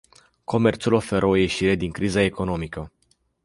Comerțul oferă o ieșire din criza economică.